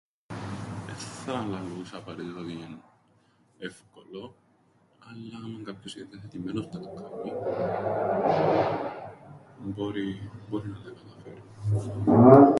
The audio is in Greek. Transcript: Έθθα λαλούσα απαραίτητα ότι εν' εύκολον, αλλά, άμαν κάποιος εν' διαθετιμένος να το κάμει, μπορεί, μπόρει να τα καταφέρει.